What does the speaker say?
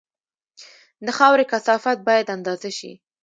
د خاورې کثافت باید اندازه شي